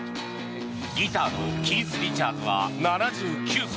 ギターのキース・リチャーズは７９歳。